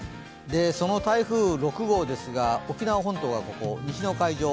その台風６号ですが沖縄本島はここ、西の海上。